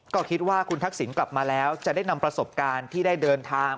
ก็คิดว่าคุณทักษิณกลับมาแล้วจะได้นำประสบการณ์ที่ได้เดินทาง